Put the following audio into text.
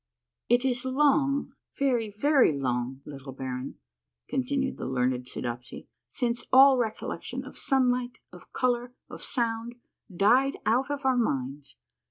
"It is long, very, very long, little baron," continued the learned Soodopsy, " since all recollection of sunlight, of color, of sound, died out of our minds.